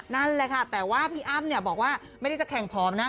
นั่นแหละค่ะแต่ว่าพี่อ้ำเนี่ยบอกว่าไม่ได้จะแข่งผอมนะ